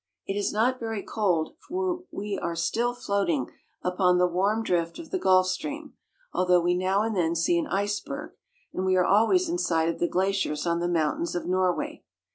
It is not very cold, for we are still float ing upon the warm drift of the Gulf Stream, although we now and then see an iceberg, and we are always in sight of the glaciers on the mountains of Norway.